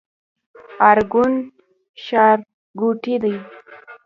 ارګون ښارګوټی دی؟